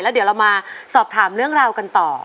เดี๋ยวเรามาสอบถามเรื่องราวกันต่อ